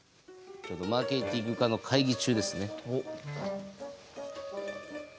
ちょうどマーケティング課の会議中ですね。